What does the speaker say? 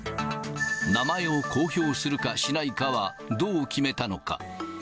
名前を公表するかしないかは、どう決めたのか。